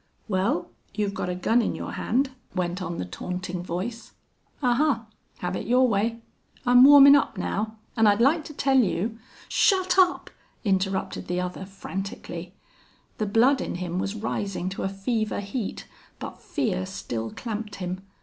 "Well, you've got a gun in your hand," went on the taunting voice. "Ahuh!... Have it your way. I'm warmin' up now, an' I'd like to tell you ..." "Shut up!" interrupted the other, frantically. The blood in him was rising to a fever heat. But fear still clamped him.